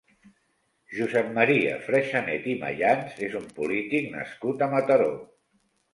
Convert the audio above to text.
Josep Maria Freixanet i Mayans és un polític nascut a Mataró.